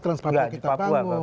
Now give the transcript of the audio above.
trans sumatra kita bangun